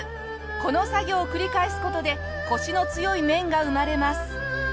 この作業を繰り返す事でコシの強い麺が生まれます。